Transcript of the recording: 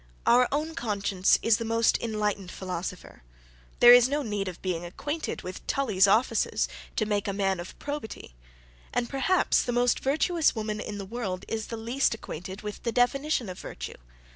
Our own conscience is the most enlightened philosopher. There is no need of being acquainted with Tully's offices, to make a man of probity: and perhaps the most virtuous woman in the world is the least acquainted with the definition of virtue.